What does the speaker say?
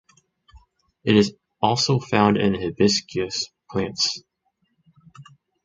It is also found in "Hibiscus" plants.